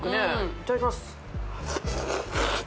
いただきます。